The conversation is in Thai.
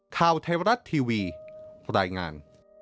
ข่าวไทยรัฐทีวีรายงาน